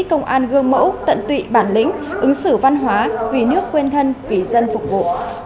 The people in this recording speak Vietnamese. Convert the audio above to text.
công an gương mẫu tận tụy bản lĩnh ứng xử văn hóa vì nước quên thân vì dân phục vụ